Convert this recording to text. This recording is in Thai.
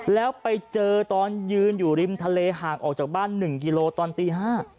แล้วไปเจอตอนยืนอยู่ริมทะเลห่างออกจากบ้าน๑กิโลตอนตี๕